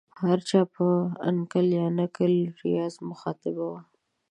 هر چا په انکل یا انکل ریاض مخاطبه وه.